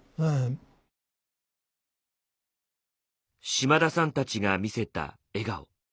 島田さんたちが見せた笑顔。